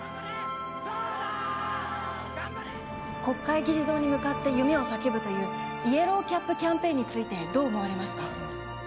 国会議事堂に向かって夢を叫ぶというイエローキャップキャンペーンについてどう思われますか？